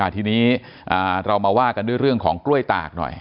ทีนี้เรามาว่ากันด้วยเรื่องของกล้วยตากหน่อย